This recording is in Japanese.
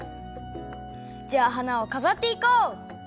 じゃあ花をかざっていこう！